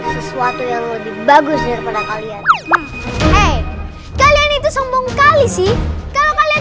sesuatu yang lebih bagus daripada kalian eh kalian itu sombong kali sih kalau kalian